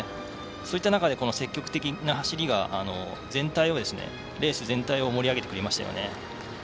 そういった中で積極的な走りがレース全体を盛り上げてくれましたよね。